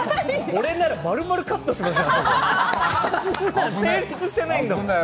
俺なら丸々カットされてるよ。